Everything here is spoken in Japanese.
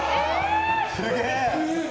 すげえ！